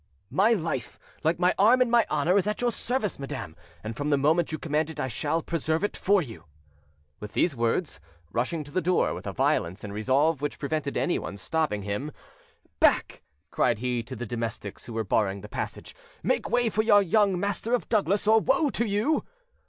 "My life, like my arm and my honour, is at your service, madam, and from the moment you command it I shall preserve it for you." With these words, rushing to the door with a violence and resolve which prevented anyone's stopping him— "Back!" cried he to the domestics who were barring the passage; "make way for the young master of Douglas, or woe to you!".